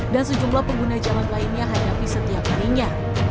dan sejumlah pengguna jalan lainnya hadapi setiap harinya